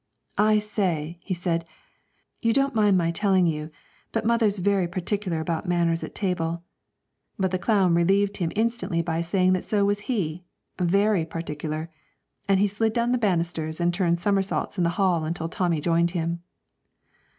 'I say,' he said, 'you don't mind my telling you but mother's very particular about manners at table;' but the clown relieved him instantly by saying that so was he very particular; and he slid down the banisters and turned somersaults in the hall until Tommy joined him.